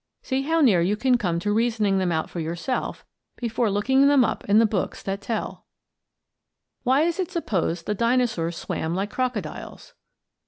See how near you can come to reasoning them out for yourself before looking them up in the books that tell. Why it is supposed the Dinosaurs swam like Crocodiles.